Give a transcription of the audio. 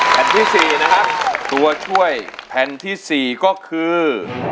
แผ่นที่๔นะครับตัวช่วยแผ่นที่๔ก็คือ